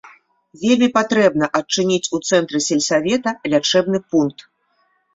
Вельмі патрэбна адчыніць у цэнтры сельсавета лячэбны пункт.